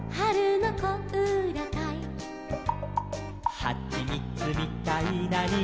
「はちみつみたいなにおいの」